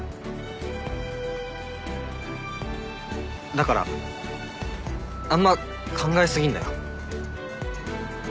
だからあんま考え過ぎんなよ。